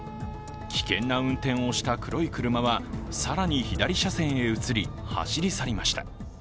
危険な運転をした黒い車は、更に左車線へ移り、走り去りました。